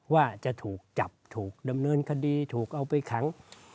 ว่าจะถูกจับถูกดำเนินคดีถูกเอาไปขัง